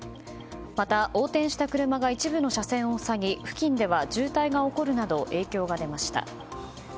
また、横転した車が一部の車線を塞ぎ付近では渋滞が起こるなど影響が出ました。